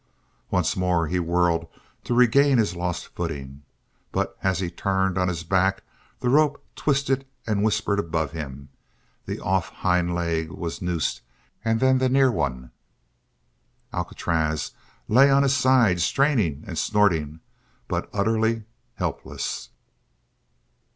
Once more he whirled to regain his lost footing, but as he turned on his back the rope twisted and whispered above him; the off hind leg was noosed, and then the near one Alcatraz lay on his side straining and snorting but utterly helpless.